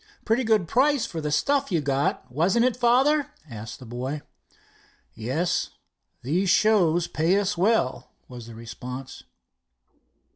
"Pretty good price for the stuff you got, wasn't it, father?" asked the boy. "Yes, these shows pay us well," was the response.